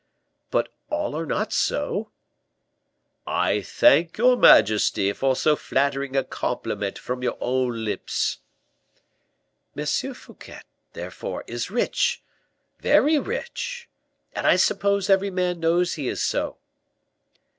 "But all are not so." "I thank you majesty for so flattering a compliment from your own lips." "M. Fouquet, therefore, is rich very rich, and I suppose every man knows he is so."